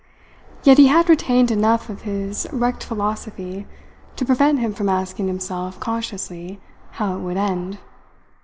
Yet he had retained enough of his wrecked philosophy to prevent him from asking himself consciously how it would end.